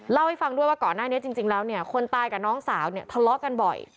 เล่าให้ฟังด้วยว่าก่อนหน้านี้จริงแล้วเนี่ยคนตายกับน้องสาวเนี่ยทะเลาะกันบ่อย